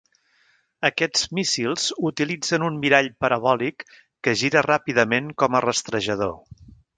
Aquests míssils utilitzen un mirall parabòlic que gira ràpidament com a rastrejador.